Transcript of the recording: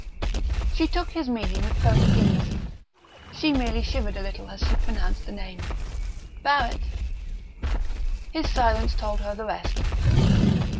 She took his meaning with perfect ease. She merely shivered a little as she pronounced the name. "Barrett?" His silence told her the rest.